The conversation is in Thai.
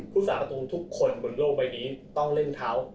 สาประตูทุกคนบนโลกใบนี้ต้องเล่นเขา